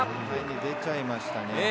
前に出ちゃいましたね。